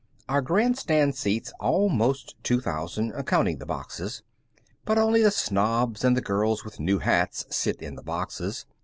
Our grand stand seats almost two thousand, counting the boxes. But only the snobs, and the girls with new hats, sit in the boxes.